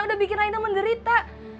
udah bikin raina menderita